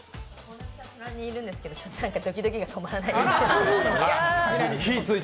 隣にいるんですけど、ドキドキが止まらない。